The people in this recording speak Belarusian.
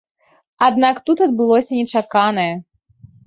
Аднак тут адбылося нечаканае.